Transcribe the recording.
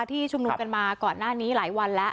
ที่ชุมนุมกันมาก่อนหน้านี้หลายวันแล้ว